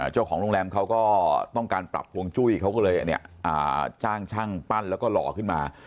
เจ้าของโรงแรมเขาก็ต้องการปรับฮวงจุ้ยเขาก็เลยจ้างช่างปั้นแล้วก็หล่อขึ้นมา